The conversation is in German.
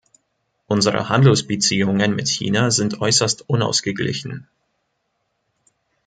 Unsere Handelsbeziehungen mit China sind äußerst unausgeglichen.